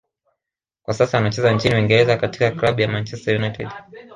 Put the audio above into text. kwa sasa anacheza nchini Uingereza katika klabu ya Manchester United